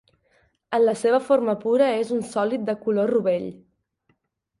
En la seva forma pura és un sòlid de color rovell.